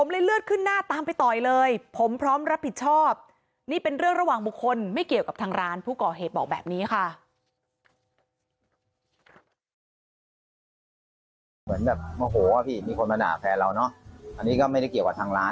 เหมือนแบบโมโหพี่มีคนมาด่าแฟนเราเนอะอันนี้ก็ไม่ได้เกี่ยวกับทางร้าน